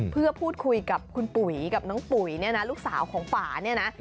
เพื่อพูดคุยกับคุณปุ๋ยกับน้องปุ๋ยเนี่ยนะลูกสาวของฝาเนี่ยนะ